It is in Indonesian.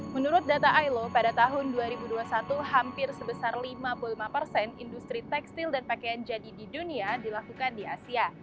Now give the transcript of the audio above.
menurut data ilo pada tahun dua ribu dua puluh satu hampir sebesar lima puluh lima persen industri tekstil dan pakaian jadi di dunia dilakukan di asia